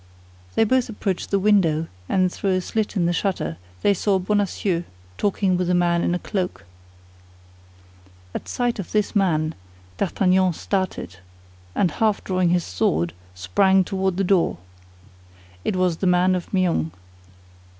They both approached the window, and through a slit in the shutter they saw Bonacieux talking with a man in a cloak. At sight of this man, D'Artagnan started, and half drawing his sword, sprang toward the door. It was the man of Meung.